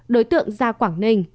đối tượng ra quảng ninh